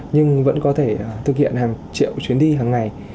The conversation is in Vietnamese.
nhưng vẫn có thể thực hiện hàng triệu chuyến đi hàng ngày